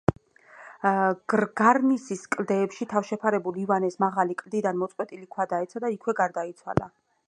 გარნისის კლდეებში თავშეფარებულ ივანეს მაღალი კლდიდან მოწყვეტილი ქვა დაეცა და იქვე გარდაიცვალა.